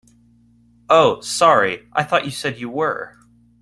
Oh, sorry, I thought you said you were.